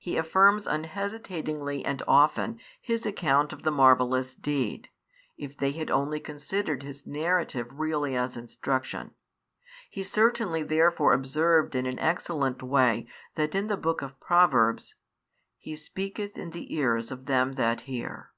He affirms unhesitatingly and often his account of the marvellous deed, if they had only considered his narrative really as instruction. He certainly therefore observed in an excellent way that in the Book of Proverbs: He speaketh in the ears of them that hear.